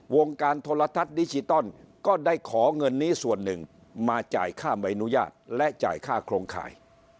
วงการโทรทัศน์ดิจิตอลก็ได้ขอเงินนี้ส่วนหนึ่งมาจ่ายค่าใบอนุญาตและจ่ายค่าโครงข่าย